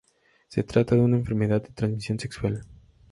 Se trata de una enfermedad de transmisión sexual.